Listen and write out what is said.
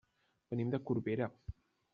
Venim de Corbera.